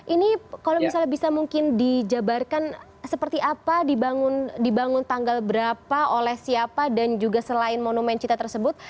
ini kalau misalnya bisa mungkin dijabarkan seperti apa dibangun tanggal berapa oleh siapa dan juga selain monumen cinta tersebut